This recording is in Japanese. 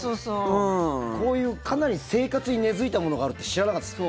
こういう、かなり生活に根付いたものがあるって知らなかったです。